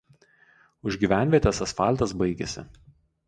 Už gyvenvietės asfaltas baigiasi.